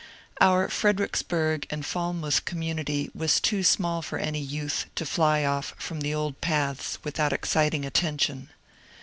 Our Fredericksburg and Falmouth oommunity was too small for any youth to fly off from the old paths without ex citing attention.